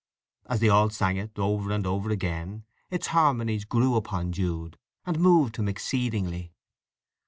As they all sang it over and over again its harmonies grew upon Jude, and moved him exceedingly.